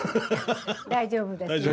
大丈夫ですか。